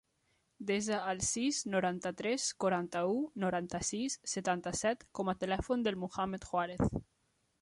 Desa el sis, noranta-tres, quaranta-u, noranta-sis, setanta-set com a telèfon del Muhammad Juarez.